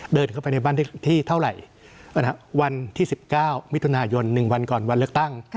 เดินเข้าไปในบ้านที่เท่าไหร่วันที่๑๙มิถุนายน๑วันก่อนวันเลือกตั้ง